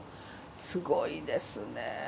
すごいですね。